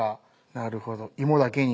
なるほど。